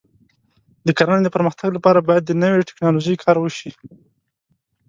د کرنې د پرمختګ لپاره باید د نوې ټکنالوژۍ کار وشي.